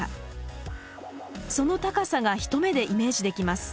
その高さが一目でイメージできます。